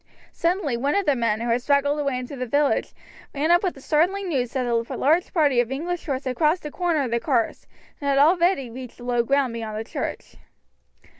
Suddenly one of the men, who had straggled away into the village, ran up with the startling news that a large party of English horse had crossed the corner of the carse, and had already reached the low ground beyond the church.